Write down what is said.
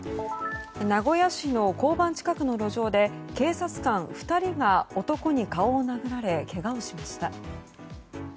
名古屋市の交番近くの路上で、警察官２人が男に顔を殴られけがをしました。